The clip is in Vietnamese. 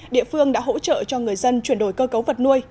địa phương đã hỗ trợ cho người dân chuyển đổi cơ cấu vật nuôi